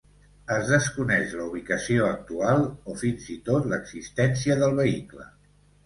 Es desconeix la ubicació actual, o fins i tot l'existència, del vehicle.